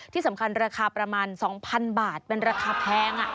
ที่สำคัญราคาประมาณ๒๐๐๐บาทเป็นราคาแพง